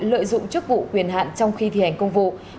lợi dụng chức vụ quyền hạn trong khi thi hành công vụ